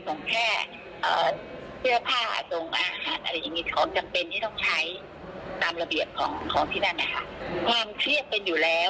เขาจำเป็นที่ต้องใช้ตามระเบียบของพี่แม่นความเครียดเป็นอยู่แล้ว